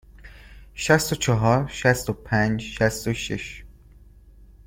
شصت و چهار، شصت و پنج، شصت و شش.